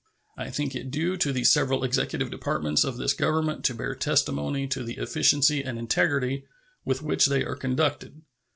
I think it due to the several Executive Departments of this Government to bear testimony to the efficiency and integrity with which they are conducted.